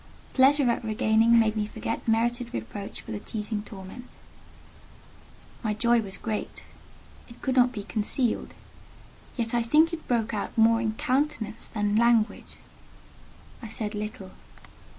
Pleasure at regaining made me forget merited reproach for the teasing torment; my joy was great; it could not be concealed: yet I think it broke out more in countenance than language. I said little.